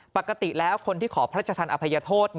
ปกติแล้วคนที่ขอพระราชทันอภัยโทษ